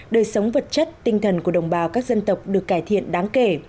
đời sống vật chất tinh thần của đồng bào các dân tộc được cải thiện đáng kể